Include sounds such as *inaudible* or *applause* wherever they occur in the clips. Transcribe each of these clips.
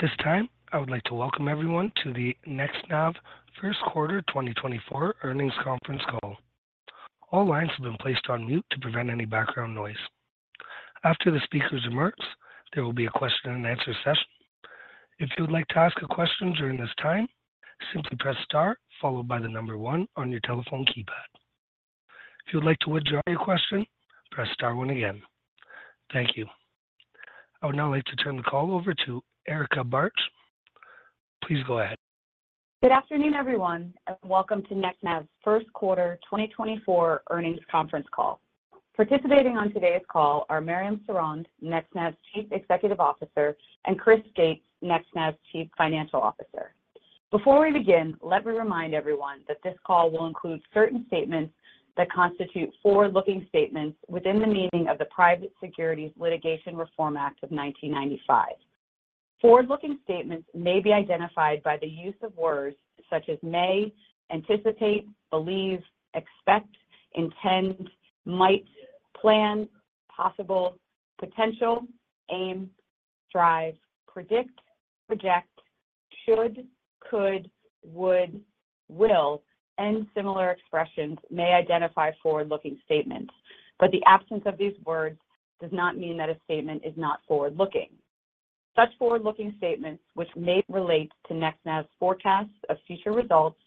This time I would like to welcome everyone to the NextNav first quarter 2024 earnings conference call. All lines have been placed on mute to prevent any background noise. After the speakers emerge, there will be a question-and-answer session. If you would like to ask a question during this time, simply press star followed by the number one on your telephone keypad. If you would like to withdraw your question, press star one again. Thank you. I would now like to turn the call over to Erica Bartsch. Please go ahead. Good afternoon, everyone, and welcome to NextNav's first quarter 2024 earnings conference call. Participating on today's call are Mariam Sorond, NextNav's Chief Executive Officer, and Chris Gates, NextNav's Chief Financial Officer. Before we begin, let me remind everyone that this call will include certain statements that constitute forward-looking statements within the meaning of the Private Securities Litigation Reform Act of 1995. Forward-looking statements may be identified by the use of words such as may, anticipate, believe, expect, intend, might, plan, possible, potential, aim, drive, predict, project, should, could, would, will, and similar expressions may identify forward-looking statements, but the absence of these words does not mean that a statement is not forward-looking. Such forward-looking statements, which may relate to NextNav's forecasts of future results,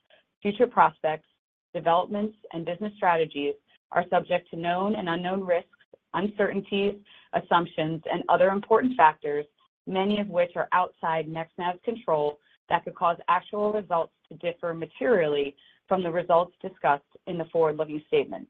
future prospects, developments, and business strategies, are subject to known and unknown risks, uncertainties, assumptions, and other important factors, many of which are outside NextNav's control, that could cause actual results to differ materially from the results discussed in the forward-looking statements.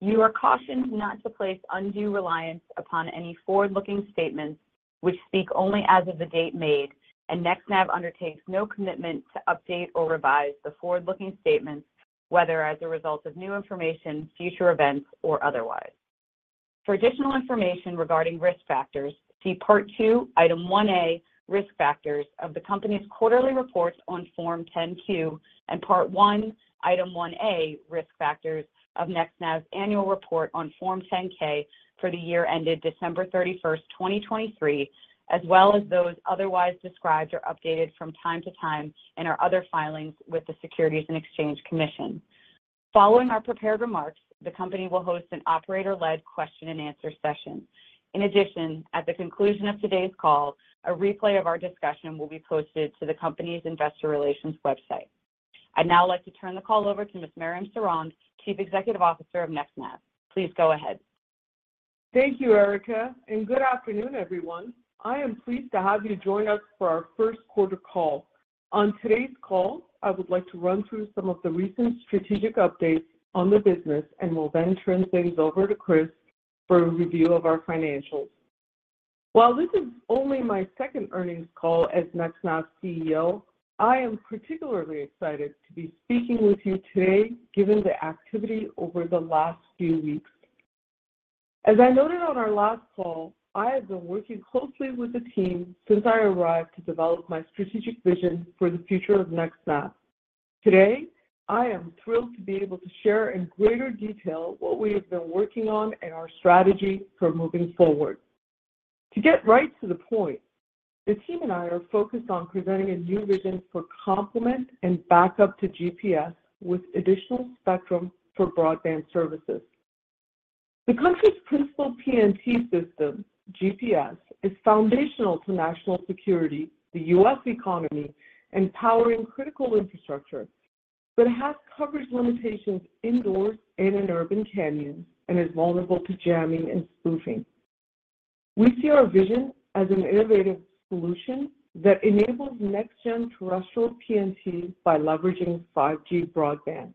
You are cautioned not to place undue reliance upon any forward-looking statements which speak only as of the date made, and NextNav undertakes no commitment to update or revise the forward-looking statements, whether as a result of new information, future events, or otherwise. For additional information regarding risk factors, see part two, Item 1A, Risk Factors, of the company's quarterly report on Form 10-Q, and part one, Item 1A, Risk Factors, of NextNav's annual report on Form 10-K for the year ended December 31st, 2023, as well as those otherwise described or updated from time to time in our other filings with the Securities and Exchange Commission. Following our prepared remarks, the company will host an operator-led question-and-answer session. In addition, at the conclusion of today's call, a replay of our discussion will be posted to the company's investor relations website. I'd now like to turn the call over to Ms. Mariam Sorond, Chief Executive Officer of NextNav. Please go ahead. Thank you, Erica, and good afternoon, everyone. I am pleased to have you join us for our first quarter call. On today's call, I would like to run through some of the recent strategic updates on the business, and we'll then turn things over to Chris for a review of our financials. While this is only my second earnings call as NextNav's CEO, I am particularly excited to be speaking with you today given the activity over the last few weeks. As I noted on our last call, I have been working closely with the team since I arrived to develop my strategic vision for the future of NextNav. Today, I am thrilled to be able to share in greater detail what we have been working on and our strategy for moving forward. To get right to the point, the team and I are focused on presenting a new vision for complement and backup to GPS with additional spectrum for broadband services. The country's principal PNT system, GPS, is foundational to national security, the U.S. economy, and powering critical infrastructure, but it has coverage limitations indoors and in urban canyons and is vulnerable to jamming and spoofing. We see our vision as an innovative solution that enables next-gen terrestrial PNTs by leveraging 5G broadband.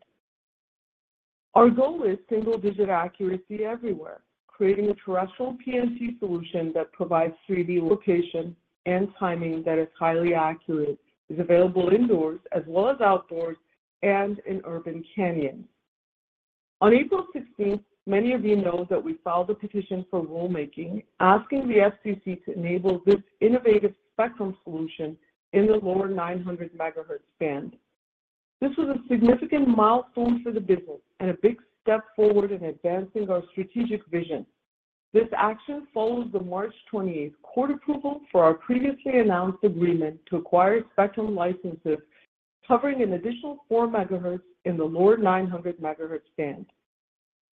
Our goal is single-digit accuracy everywhere, creating a terrestrial PNT solution that provides 3D location and timing that is highly accurate, is available indoors as well as outdoors and in urban canyons. On April 16, many of you know that we filed a petition for rulemaking asking the FCC to enable this innovative spectrum solution in the lower 900 band. This was a significant milestone for the business and a big step forward in advancing our strategic vision. This action follows the March 28 court approval for our previously announced agreement to acquire spectrum licenses covering an additional 4 MHz in the lower 900 MHz band.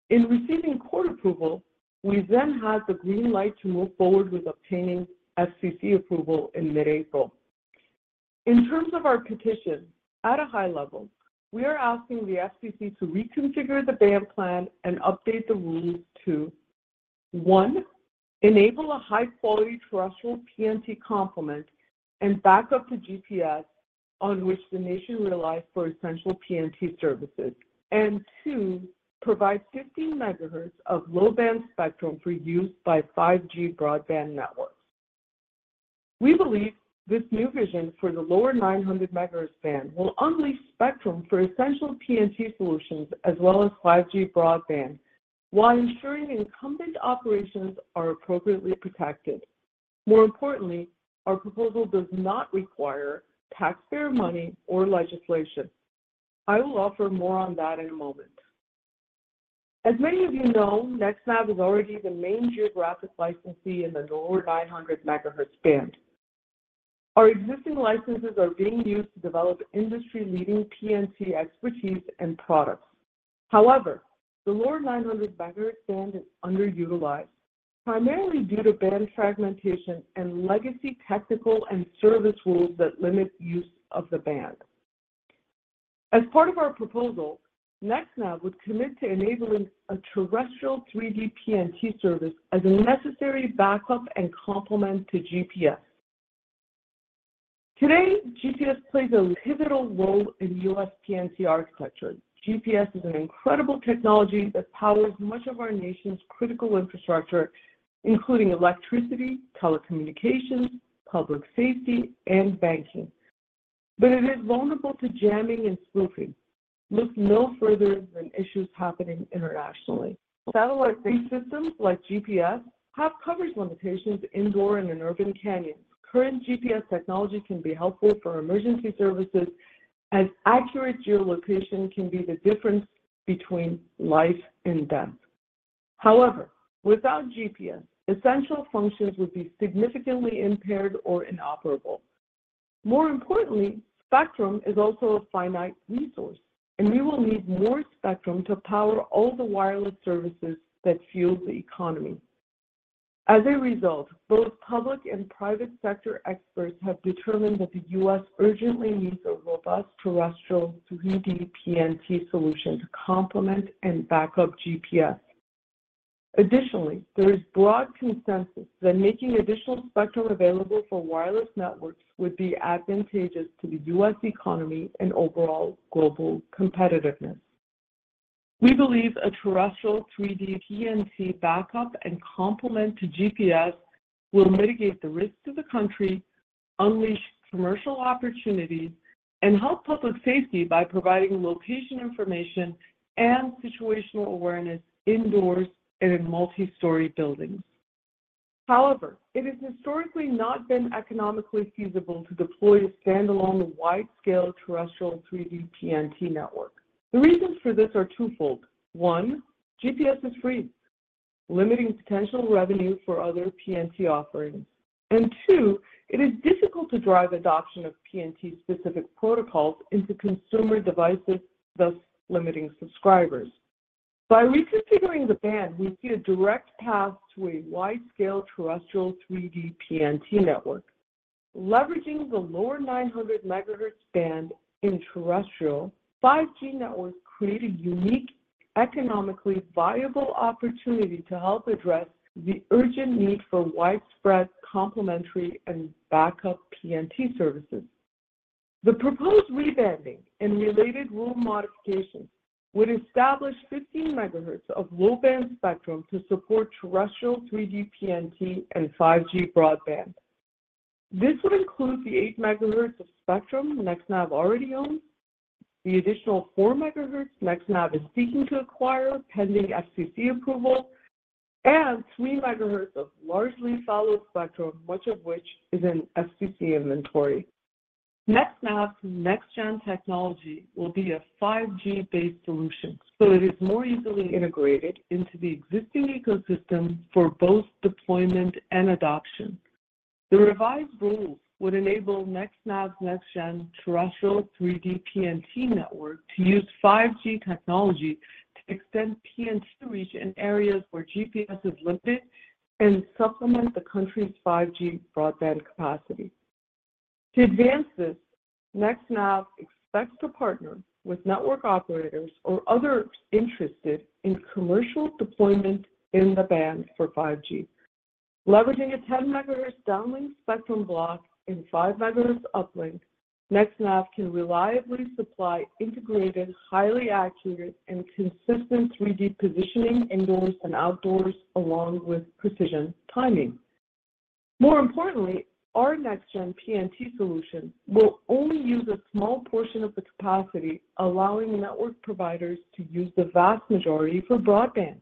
In receiving court approval, we then had the green light to move forward with obtaining FCC approval in mid-April. In terms of our petition, at a high level, we are asking the FCC to reconfigure the band plan and update the rules to, one, enable a high-quality terrestrial PNT complement and backup to GPS on which the nation relies for essential PNT services, and two, provide 15 MHz of low-band spectrum for use by 5G broadband networks. We believe this new vision for the lower 900 MHz band will unleash spectrum for essential PNT solutions as well as 5G broadband while ensuring incumbent operations are appropriately protected. More importantly, our proposal does not require taxpayer money or legislation. I will offer more on that in a moment. As many of you know, NextNav is already the main geographic licensee in the lower 900 MHz band. Our existing licenses are being used to develop industry-leading PNT expertise and products. However, the lower 900 MHz band is underutilized, primarily due to band fragmentation and legacy technical and service rules that limit use of the band. As part of our proposal, NextNav would commit to enabling a terrestrial 3D PNT service as a necessary backup and complement to GPS. Today, GPS plays a pivotal role in U.S. PNT architecture. GPS is an incredible technology that powers much of our nation's critical infrastructure, including electricity, telecommunications, public safety, and banking, but it is vulnerable to jamming and spoofing. Look no further than issues happening internationally. Satellite-based systems like GPS have coverage limitations indoor and in urban canyons. Current GPS technology can be helpful for emergency services, as accurate geolocation can be the difference between life and death. However, without GPS, essential functions would be significantly impaired or inoperable. More importantly, spectrum is also a finite resource, and we will need more spectrum to power all the wireless services that fuel the economy. As a result, both public and private sector experts have determined that the U.S. urgently needs a robust terrestrial 3D PNT solution to complement and backup GPS. Additionally, there is broad consensus that making additional spectrum available for wireless networks would be advantageous to the U.S. Economy and overall global competitiveness. We believe a terrestrial 3D PNT backup and complement to GPS will mitigate the risks to the country, unleash commercial opportunities, and help public safety by providing location information and situational awareness indoors and in multi-story buildings. However, it has historically not been economically feasible to deploy a standalone wide-scale terrestrial 3D PNT network. The reasons for this are twofold. One, GPS is free, limiting potential revenue for other PNT offerings. And two, it is difficult to drive adoption of PNT-specific protocols into consumer devices, thus limiting subscribers. By reconfiguring the band, we see a direct path to a wide-scale terrestrial 3D PNT network. Leveraging the lower 900 MHz band in terrestrial 5G networks creates a unique, economically viable opportunity to help address the urgent need for widespread complementary and backup PNT services. The proposed rebanding and related rule modifications would establish 15 MHz of low-band spectrum to support terrestrial 3D PNT and 5G broadband. This would include the 8 MHz of spectrum NextNav already owns, the additional 4 MHz NextNav is seeking to acquire pending FCC approval, and 3 MHz of largely fallow spectrum, much of which is in FCC inventory. NextNav's next-gen technology will be a 5G-based solution, so it is more easily integrated into the existing ecosystem for both deployment and adoption. The revised rules would enable NextNav's next-gen terrestrial 3D PNT network to use 5G technology to extend PNT reach in areas where GPS is limited and supplement the country's 5G broadband capacity. To advance this, NextNav expects to partner with network operators or others interested in commercial deployment in the band for 5G. Leveraging a 10 MHz downlink spectrum block and 5 MHz uplink, NextNav can reliably supply integrated, highly accurate, and consistent 3D positioning indoors and outdoors along with precision timing. More importantly, our next-gen PNT solution will only use a small portion of the capacity, allowing network providers to use the vast majority for broadband.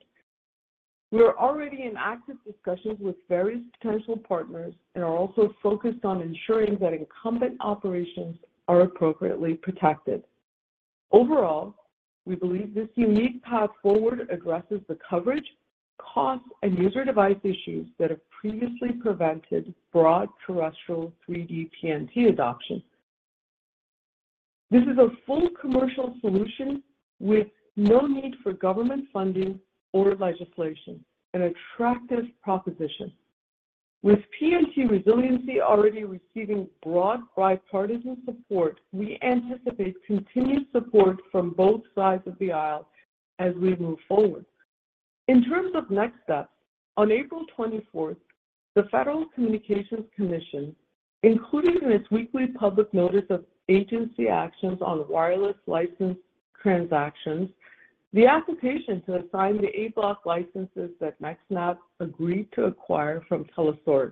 We are already in active discussions with various potential partners and are also focused on ensuring that incumbent operations are appropriately protected. Overall, we believe this unique path forward addresses the coverage, cost, and user-device issues that have previously prevented broad terrestrial 3D PNT adoption. This is a full commercial solution with no need for government funding or legislation, an attractive proposition. With PNT resiliency already receiving broad bipartisan support, we anticipate continued support from both sides of the aisle as we move forward. In terms of next steps, on April 24, the Federal Communications Commission, including in its weekly public notice of agency actions on wireless license transactions, the application to assign the A-block licenses that NextNav agreed to acquire from Telesaurus.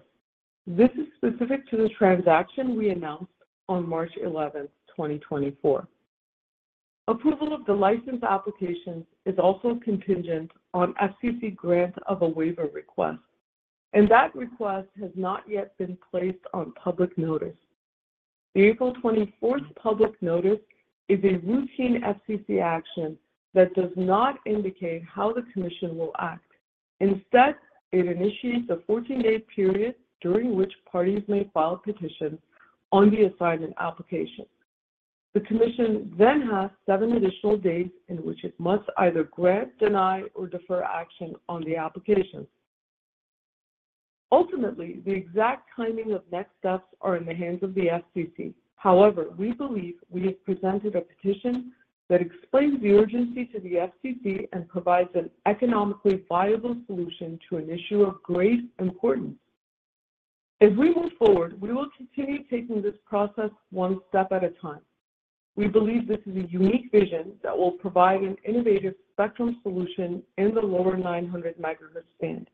This is specific to the transaction we announced on March 11, 2024. Approval of the license applications is also contingent on FCC grant of a waiver request, and that request has not yet been placed on public notice. The April 24th public notice is a routine FCC action that does not indicate how the commission will act. Instead, it initiates a 14-day period during which parties may file petitions on the assignment application. The commission then has seven additional days in which it must either grant, deny, or defer action on the applications. Ultimately, the exact timing of next steps is in the hands of the FCC. However, we believe we have presented a petition that explains the urgency to the FCC and provides an economically viable solution to an issue of great importance. As we move forward, we will continue taking this process one step at a time. We believe this is a unique vision that will provide an innovative spectrum solution in the lower 900 MHz band.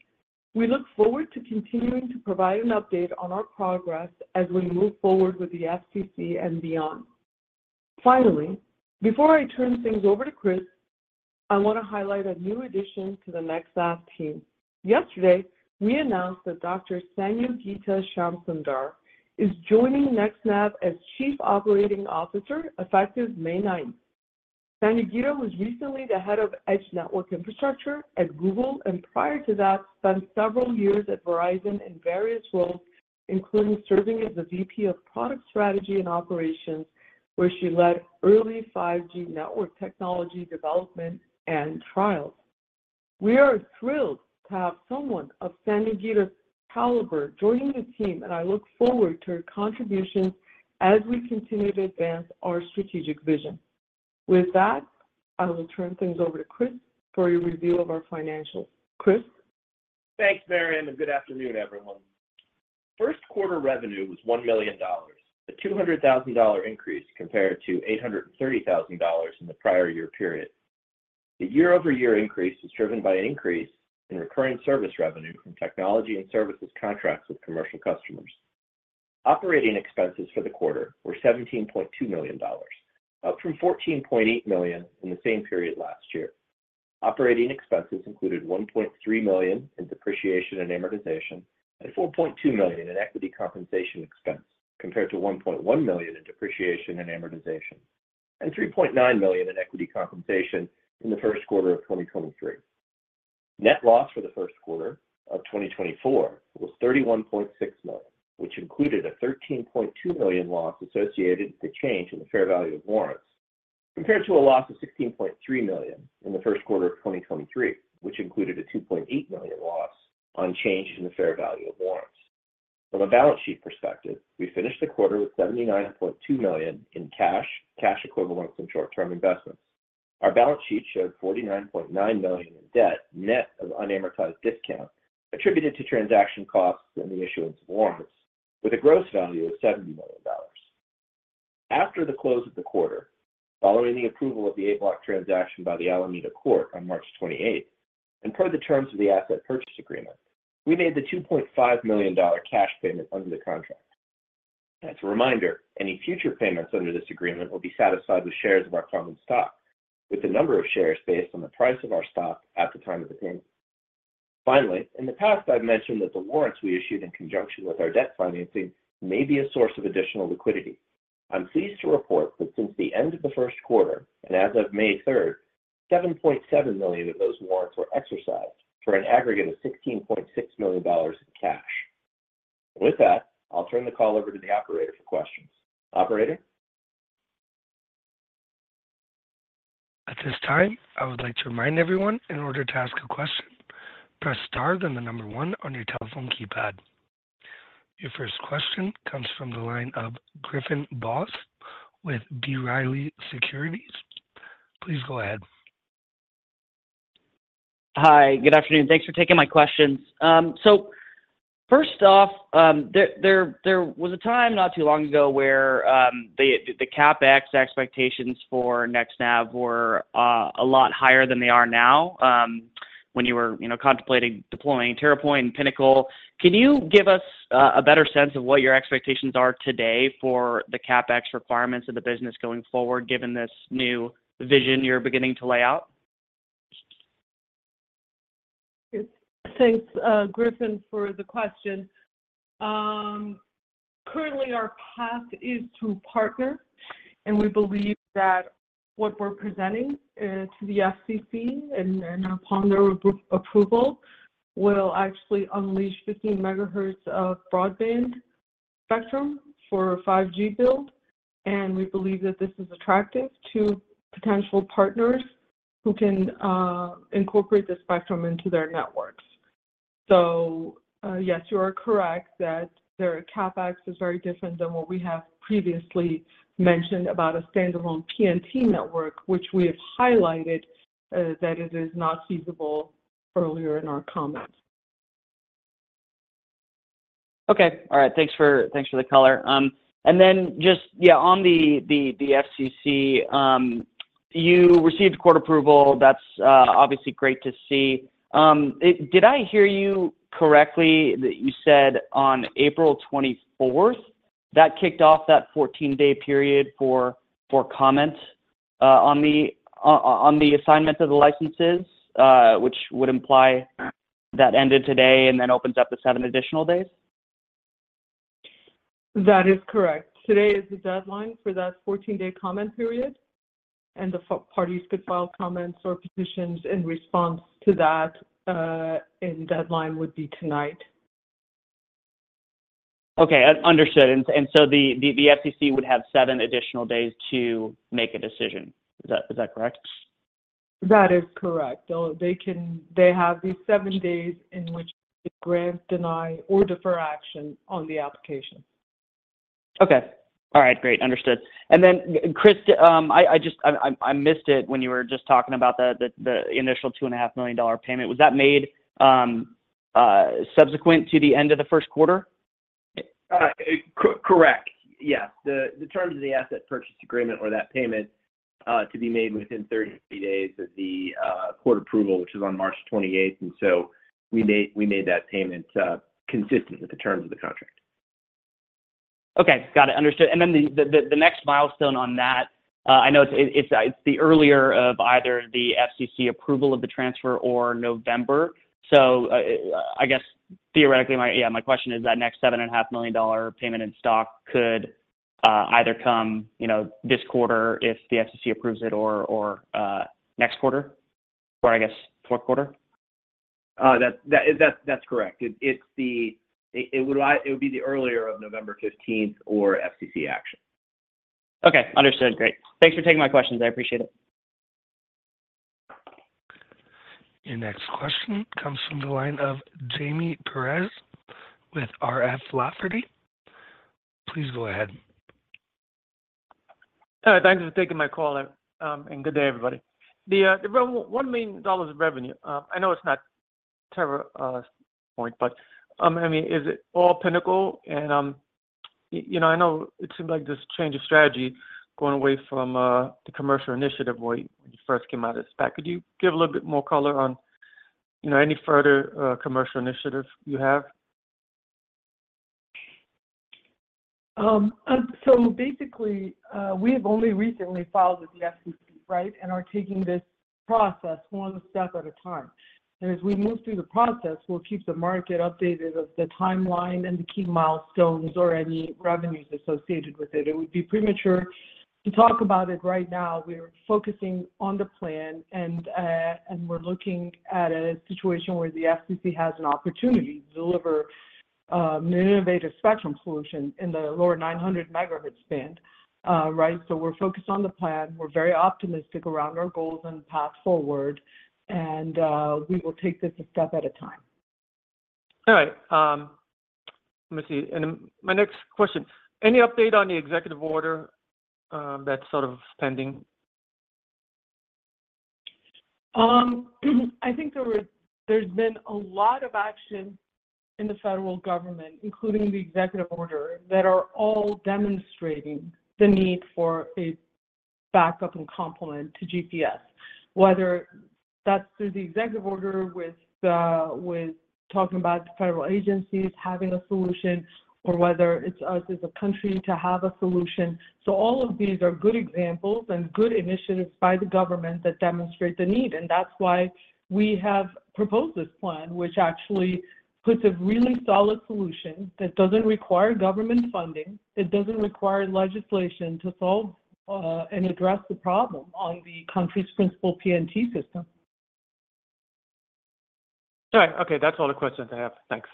We look forward to continuing to provide an update on our progress as we move forward with the FCC and beyond. Finally, before I turn things over to Chris, I want to highlight a new addition to the NextNav team. Yesterday, we announced that Dr. Sanyogita Shamsunder is joining NextNav as Chief Operating Officer, effective May 9. Sanyogita was recently the head of Edge Network Infrastructure at Google and prior to that spent several years at Verizon in various roles, including serving as the VP of Product Strategy and Operations, where she led early 5G network technology development and trials. We are thrilled to have someone of Sanyogita's caliber joining the team, and I look forward to her contributions as we continue to advance our strategic vision. With that, I will turn things over to Chris for a review of our financials. Chris? Thanks, Mariam, and good afternoon, everyone. First quarter revenue was $1 million, a $200,000 increase compared to $830,000 in the prior year period. The year-over-year increase was driven by an increase in recurring service revenue from technology and services contracts with commercial customers. Operating expenses for the quarter were $17.2 million, up from $14.8 million in the same period last year. Operating expenses included $1.3 million in depreciation and amortization, and $4.2 million in equity compensation expense compared to $1.1 million in depreciation and amortization, and $3.9 million in equity compensation in the first quarter of 2023. Net loss for the first quarter of 2024 was $31.6 million, which included a $13.2 million loss associated with the change in the fair value of warrants compared to a loss of $16.3 million in the first quarter of 2023, which included a $2.8 million loss on change in the fair value of warrants. From a balance sheet perspective, we finished the quarter with $79.2 million in cash, cash equivalents, and short-term investments. Our balance sheet showed $49.9 million in debt, net of unamortized discount attributed to transaction costs and the issuance of warrants, with a gross value of $70 million. After the close of the quarter, following the approval of the A-block transaction by the Alameda Court on March 28, and per the terms of the asset purchase agreement, we made the $2.5 million cash payment under the contract. As a reminder, any future payments under this agreement will be satisfied with shares of our common stock, with the number of shares based on the price of our stock at the time of the payment. Finally, in the past, I've mentioned that the warrants we issued in conjunction with our debt financing may be a source of additional liquidity. I'm pleased to report that since the end of the first quarter and as of May 3rd, $7.7 million of those warrants were exercised for an aggregate of $16.6 million in cash. With that, I'll turn the call over to the operator for questions. Operator? At this time, I would like to remind everyone, in order to ask a question, press star then the number one on your telephone keypad. Your first question comes from the line of Griffin Boss with B. Riley Securities. Please go ahead. Hi. Good afternoon. Thanks for taking my questions. So first off, there was a time not too long ago where the CapEx expectations for NextNav were a lot higher than they are now when you were contemplating deploying TerraPoiNT and Pinnacle. Can you give us a better sense of what your expectations are today for the CapEx requirements of the business going forward, given this new vision you're beginning to lay out? Thanks, Griffin, for the question. Currently, our path is to partner, and we believe that what we're presenting to the FCC and upon their approval will actually unleash 15 MHz of broadband spectrum for a 5G build. We believe that this is attractive to potential partners who can incorporate the spectrum into their networks. Yes, you are correct that their CapEx is very different than what we have previously mentioned about a standalone PNT network, which we have highlighted that it is not feasible earlier in our comments. Okay. All right. Thanks for the color. And then just, yeah, on the FCC, you received court approval. That's obviously great to see. Did I hear you correctly that you said on April 24th that kicked off that 14-day period for comments on the assignment of the licenses, which would imply that ended today and then opens up the seven additional days? That is correct. Today is the deadline for that 14-day comment period, and the parties could file comments or petitions in response to that, and deadline would be tonight. Okay. Understood. And so the FCC would have seven additional days to make a decision. Is that correct? That is correct. They have these seven days in which they grant, deny, or defer action on the application. Okay. All right. Great. Understood. And then, Chris, I missed it when you were just talking about the initial $2.5 million payment. Was that made subsequent to the end of the first quarter? Correct. Yes. The terms of the asset purchase agreement were that payment to be made within 30 days of the court approval, which is on March 28. And so we made that payment consistent with the terms of the contract. Okay. Got it. Understood. And then the next milestone on that, I know it's the earlier of either the FCC approval of the transfer or November. So I guess, theoretically, yeah, my question is that next $7.5 million payment in stock could either come this quarter if the FCC approves it or next quarter or, I guess, fourth quarter? That's correct. It would be the earlier of November 15th or FCC action. Okay. Understood. Great. Thanks for taking my questions. I appreciate it. Your next question comes from the line of Jaime Perez with R.F. Lafferty. Please go ahead. Hi. Thanks for taking my call, and good day, everybody. The $1 million of revenue, I know it's not TerraPoiNT, but I mean, is it all Pinnacle? And I know it seemed like this change of strategy going away from the commercial initiative when you first came out of SPAC. Could you give a little bit more color on any further commercial initiative you have? So basically, we have only recently filed with the FCC, right, and are taking this process one step at a time. And as we move through the process, we'll keep the market updated of the timeline and the key milestones or any revenues associated with it. It would be premature to talk about it right now. We're focusing on the plan, and we're looking at a situation where the FCC has an opportunity to deliver an innovative spectrum solution in the lower 900 MHz band, right? So we're focused on the plan. We're very optimistic around our goals and path forward, and we will take this a step at a time. All right. Let me see. And my next question, any update on the executive order that's sort of pending? I think there's been a lot of action in the federal government, including the executive order, that are all demonstrating the need for a backup and complement to GPS, whether that's through the executive order with talking about the federal agencies having a solution or whether it's us as a country to have a solution. All of these are good examples and good initiatives by the government that demonstrate the need. That's why we have proposed this plan, which actually puts a really solid solution that doesn't require government funding. It doesn't require legislation to solve and address the problem on the country's principal PNT system. All right. Okay. That's all the questions I have. Thanks.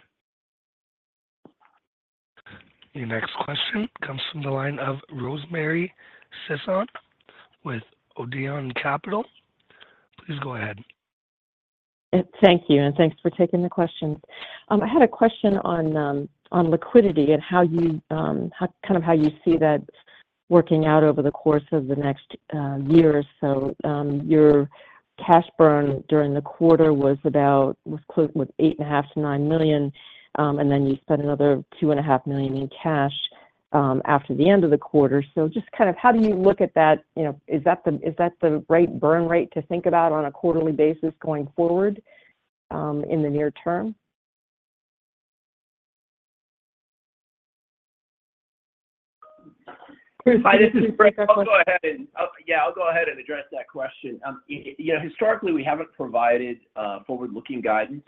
Your next question comes from the line of Rosemary Sisson with Odeon Capital. Please go ahead. Thank you. Thanks for taking the questions. I had a question on liquidity and kind of how you see that working out over the course of the next year. So your cash burn during the quarter was about $8.5 million-$9 million, and then you spent another $2.5 million in cash after the end of the quarter. So just kind of how do you look at that? Is that the right burn rate to think about on a quarterly basis going forward in the near term? *crosstalk* I'll go ahead and address that question. Historically, we haven't provided forward-looking guidance.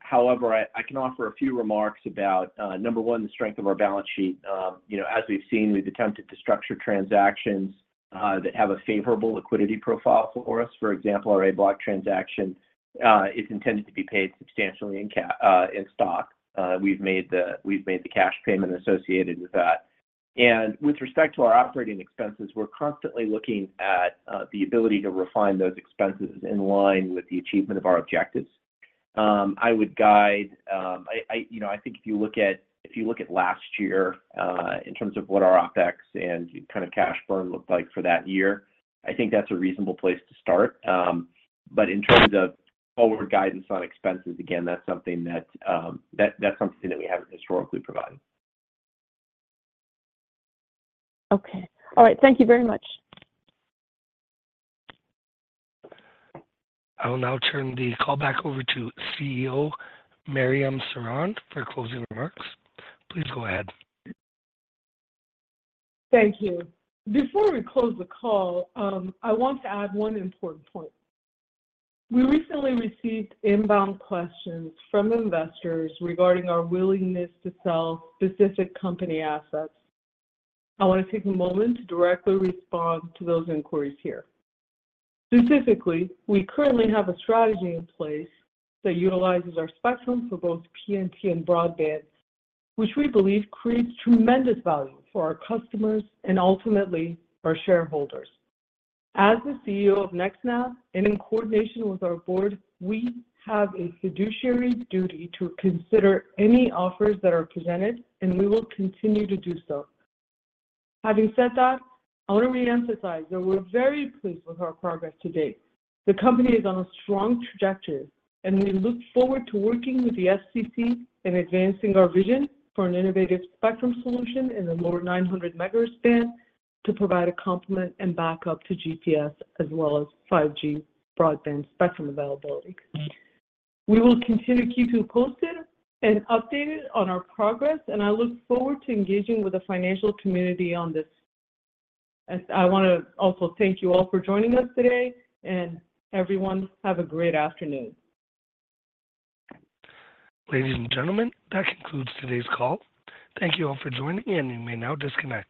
However, I can offer a few remarks about, number one, the strength of our balance sheet. As we've seen, we've attempted to structure transactions that have a favorable liquidity profile for us. For example, our A-block transaction is intended to be paid substantially in stock. We've made the cash payment associated with that. And with respect to our operating expenses, we're constantly looking at the ability to refine those expenses in line with the achievement of our objectives. I would guide. I think if you look at last year in terms of what our OpEx and kind of cash burn looked like for that year, I think that's a reasonable place to start. In terms of forward guidance on expenses, again, that's something that we haven't historically provided. Okay. All right. Thank you very much. I will now turn the call back over to CEO Mariam Sorond for closing remarks. Please go ahead. Thank you. Before we close the call, I want to add one important point. We recently received inbound questions from investors regarding our willingness to sell specific company assets. I want to take a moment to directly respond to those inquiries here. Specifically, we currently have a strategy in place that utilizes our spectrum for both PNT and broadband, which we believe creates tremendous value for our customers and ultimately our shareholders. As the CEO of NextNav, and in coordination with our board, we have a fiduciary duty to consider any offers that are presented, and we will continue to do so. Having said that, I want to reemphasize that we're very pleased with our progress to date. The company is on a strong trajectory, and we look forward to working with the FCC in advancing our vision for an innovative spectrum solution in the lower 900 MHz band to provide a complement and backup to GPS as well as 5G broadband spectrum availability. We will continue to keep you posted and updated on our progress, and I look forward to engaging with the financial community on this. I want to also thank you all for joining us today. Everyone, have a great afternoon. Ladies and gentlemen, that concludes today's call. Thank you all for joining, and you may now disconnect.